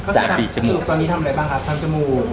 ตอนนี้ทำอะไรบ้างครับ